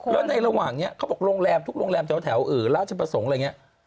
แล้วในระหว่างนี้เขาบอกโรงแรมทุกโรงแรมแถวราชประสงค์อะไรอย่างนี้